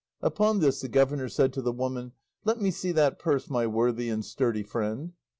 Upon this the governor said to the woman, "Let me see that purse, my worthy and sturdy friend."